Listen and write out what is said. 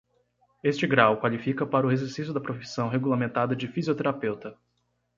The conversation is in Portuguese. Este grau qualifica para o exercício da profissão regulamentada de fisioterapeuta.